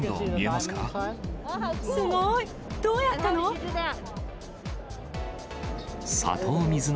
すごい、どうやったの？